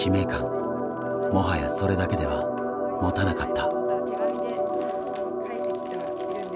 もはやそれだけではもたなかった。